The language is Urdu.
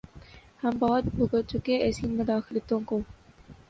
ہم بہت بھگت چکے ایسی مداخلتوں کو۔